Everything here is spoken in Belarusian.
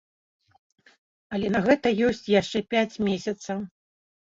Але на гэта ёсць яшчэ пяць месяцаў.